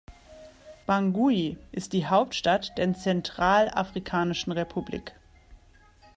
Bangui ist die Hauptstadt der Zentralafrikanischen Republik.